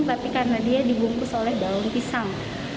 tapi karena dia digungkus oleh daun pisang